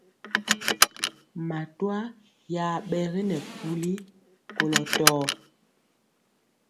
Matwa ya ɓɛ ge nɛ puli kolɔ tɔɔ.